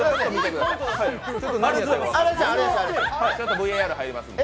ＶＡＲ入りますので。